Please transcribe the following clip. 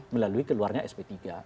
melalui keluarnya sp tiga